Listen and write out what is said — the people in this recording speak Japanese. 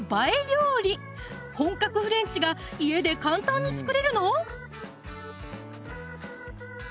料理本格フレンチが家で簡単に作れるの？